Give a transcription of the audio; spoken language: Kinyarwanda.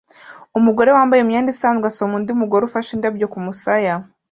Umugore wambaye imyenda isanzwe asoma undi mugore ufashe indabyo kumusaya